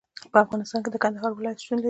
په افغانستان کې د کندهار ولایت شتون لري.